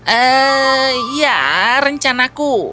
eee ya rencanaku